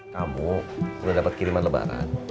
kamu udah dapet kiriman lebaran